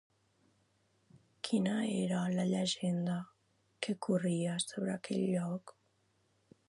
Quina era la llegenda que corria sobre aquell lloc?